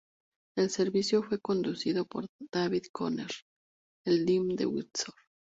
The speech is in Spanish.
El servicio fue conducido por David Conner, el Deán de Windsor.